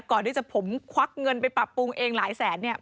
ก่อนที่จะผมควักเงินไปปรับปรุงเองหลายแสนเนี่ย